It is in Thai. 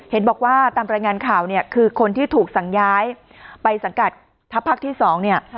เห็นบอกว่าตามรายงานข่าวเนี่ยคือคนที่ถูกสั่งย้ายไปสังกัดทัพภาคที่๒เนี่ย